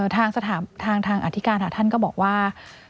ทางอธิการท่านก็บอกว่า